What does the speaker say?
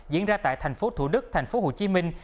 diễn ra tại thành phố thủ đức thành phố hồ chí minh